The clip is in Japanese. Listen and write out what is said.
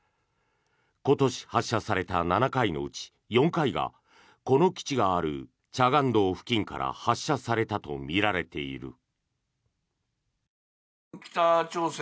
今年発射された７回のうち４回がこの基地がある慈江道付近から発射されたとみられている。